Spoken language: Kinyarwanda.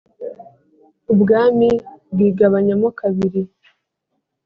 ubwami bwigabanya mo kabiri